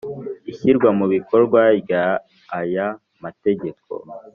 Ishyirwa mu ibikorwa ry aya mategeko